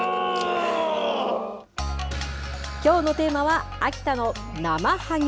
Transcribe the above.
きょうのテーマは、秋田のなまはげ。